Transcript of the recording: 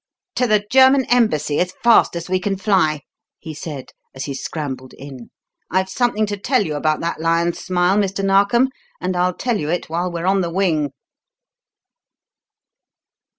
"To the German embassy as fast as we can fly," he said as he scrambled in. "I've something to tell you about that lion's smile, Mr. Narkom, and I'll tell it while we're on the wing."